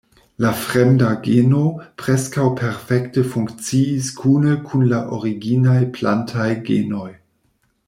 La fremda geno preskaŭ perfekte funkciis kune kun la originaj plantaj genoj.